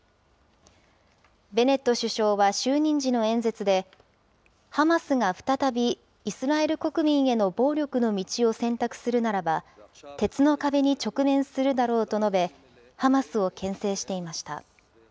ベネット首相は就任時の演説で、ハマスが再びイスラエル国民への暴力の道を選択するならば、鉄の壁に直面するだろうと述べ、ハマスをけん制していました。